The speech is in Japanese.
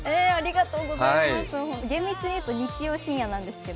厳密に言うと日曜深夜なんですけど。